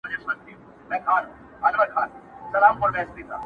چي مو د پېغلو سره سم ګودر په کاڼو ولي٫